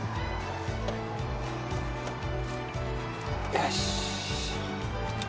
よし！